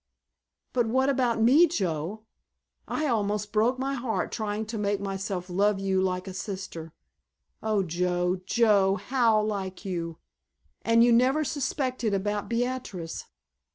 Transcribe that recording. But what about me, Joe? I almost broke my heart trying to make myself love you like a sister. Oh, Joe, Joe, how like you! And you never suspected about Beatrice?